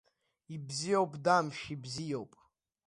Ибзиоуп, Дамшә, ибзиоуп.